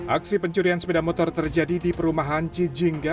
aksi pencurian sepeda motor terjadi di perumahan cijingga